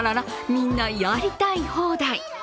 みんなやりたい放題。